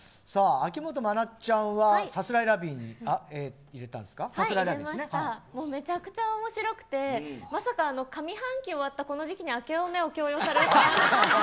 秋元真夏ちゃんはさすらいラビーにめちゃくちゃ面白くてまさか上半期が終わったこの時期にあけおめを強要されるとは。